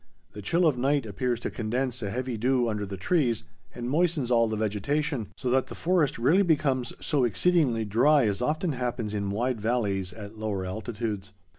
The chill of night appears to condense a heavy dew under the trees and moistens all the vegetation, so that the forest rarely becomes so exceedingly dry as often happens in wide valleys at lower altitudes.